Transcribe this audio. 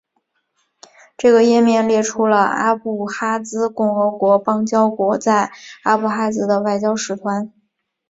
这个页面列出了阿布哈兹共和国邦交国在阿布哈兹的外交使团。